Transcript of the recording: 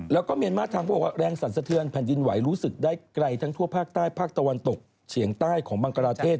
แล้วก็เมียนมาร์ทางเขาบอกว่าแรงสั่นสะเทือนแผ่นดินไหวรู้สึกได้ไกลทั้งทั่วภาคใต้ภาคตะวันตกเฉียงใต้ของบังกราเทศ